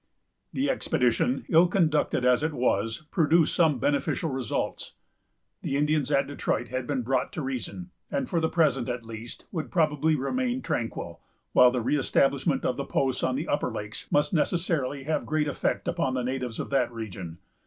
This expedition, ill conducted as it was, produced some beneficial results. The Indians at Detroit had been brought to reason, and for the present, at least, would probably remain tranquil; while the re establishment of the posts on the upper lakes must necessarily have great effect upon the natives of that region.